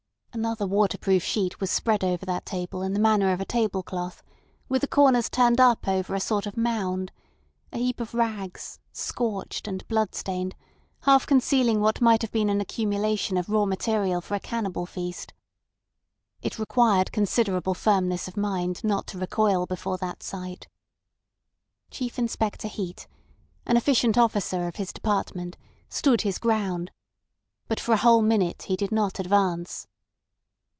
Another waterproof sheet was spread over that table in the manner of a table cloth, with the corners turned up over a sort of mound—a heap of rags, scorched and bloodstained, half concealing what might have been an accumulation of raw material for a cannibal feast. It required considerable firmness of mind not to recoil before that sight. Chief Inspector Heat, an efficient officer of his department, stood his ground, but for a whole minute he did not advance.